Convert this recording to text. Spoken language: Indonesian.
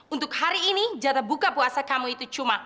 untuk hari ini jatah buka puasa kamu itu cuma